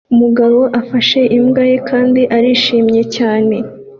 Umugore afashe imbwa ye kandi arishimye cyane